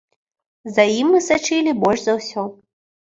За ім мы сачылі больш за ўсё.